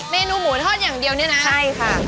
เมนูหมูทอดอย่างเดียวเนี่ยนะใช่ค่ะ